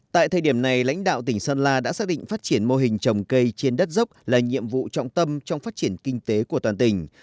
tại thời điểm này lãnh đạo tỉnh sơn la đã xác định phát triển mô hình trồng cây trên đất dốc là nhiệm vụ trọng tâm trong phát triển kinh tế của toàn tỉnh